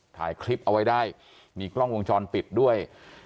ถ่ายคลิปเอาไว้ได้มีกล้องวงจรปิดด้วย